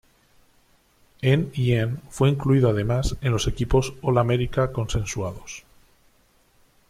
En y en fue incluido además en los equipos All-America consensuados.